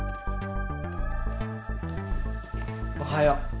おはよう。